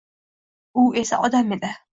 U esa odam edi.